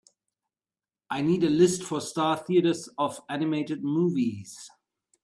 I need a list for Star Theatres of animated movies